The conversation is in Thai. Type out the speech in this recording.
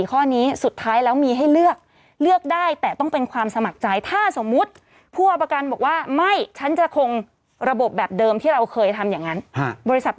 กรณีแบบเจ็บป่วยขั้นสุด